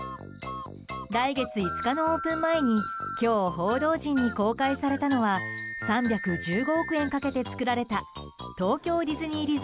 来月５日のオープン前に今日、報道陣に公開されたのは３１５億円かけて作られた東京ディズニー